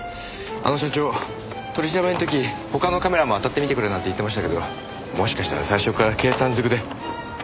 あの社長取り調べの時他のカメラもあたってみてくれなんて言ってましたけどもしかしたら最初から計算尽くで。